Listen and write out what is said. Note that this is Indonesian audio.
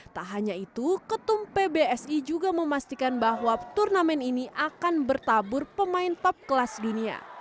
tak hanya itu ketum pbsi juga memastikan bahwa turnamen ini akan bertabur pemain pup kelas dunia